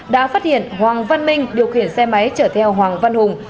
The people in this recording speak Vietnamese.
đã phát hiện hoàng văn minh điều khiển xe máy chở theo hoàng văn hùng